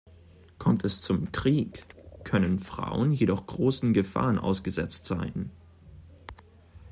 Kommt es zum Krieg, können Frauen jedoch großen Gefahren ausgesetzt sein.